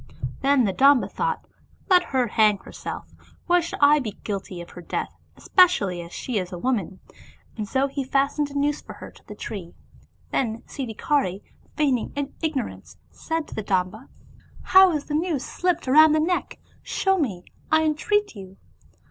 Then the Domba thought, " Let her hang herself, why should I be guilty of her death, especially as she is a woman? " and so he fastened a noose for her to the tree. Then Siddhikari, feigning ignorance, said to the Domba, " How is the noose 85 Oriental Mystery Stories slipped round the neck? show me, I entreat you."